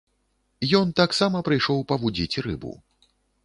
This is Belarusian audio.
Ён таксама прыйшоў павудзіць рыбу.